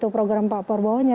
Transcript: program pak prabowo nya